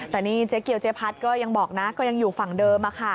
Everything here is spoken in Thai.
แต่นี่เจ๊เกียวเจ๊พัดก็ยังบอกนะก็ยังอยู่ฝั่งเดิมค่ะ